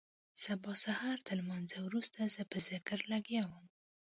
سبا سهارتر لمانځه وروسته زه په ذکر لگيا وم.